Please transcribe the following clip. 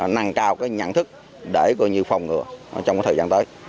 năng cao cái nhận thức để phòng ngừa trong thời gian tới